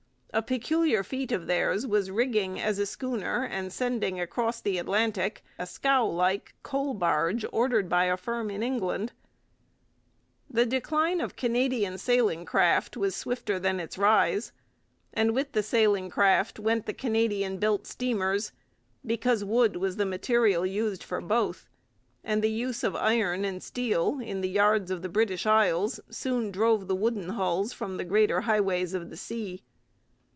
A peculiar feat of theirs was rigging as a schooner and sending across the Atlantic a scow like coal barge ordered by a firm in England. The decline of Canadian sailing craft was swifter than its rise; and with the sailing craft went the Canadian built steamers, because wood was the material used for both, and the use of iron and steel in the yards of the British Isles soon drove the wooden hulls from the greater highways of the sea.